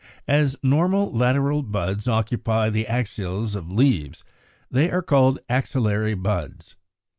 As normal lateral buds occupy the axils of leaves, they are called axillary buds.